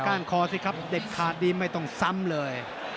คอสิครับเด็ดขาดดีไม่ต้องซ้ำเลย